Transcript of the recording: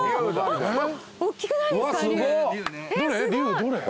おっきくないですか？